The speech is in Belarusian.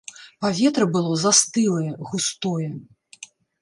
Паветра было застылае, густое.